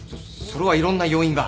それはいろんな要因が。